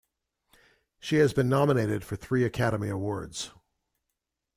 She has been nominated for three Academy Awards.